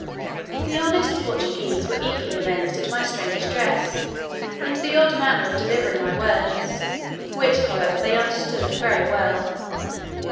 The honest Portuguese were equally amazed at my strange dress, and the odd manner of delivering my words, which, however, they understood very well.